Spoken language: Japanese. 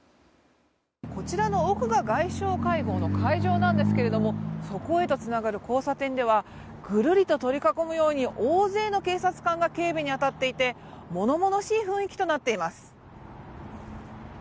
こちらの奥が外相会合の会場なんですけれどもそこへとつながる交差点ではぐるりと取り囲むように大勢の警察官が警備に当たっていて物々しい雰囲気となっています。